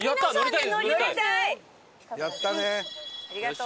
やったね。